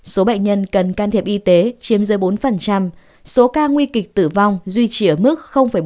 số bệnh nhân cần can thiệp y tế chiếm dưới bốn số ca nguy kịch tử vong duy trì ở mức bốn mươi